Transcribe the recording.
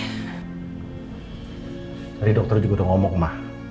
tadi dokter juga udah ngomong mah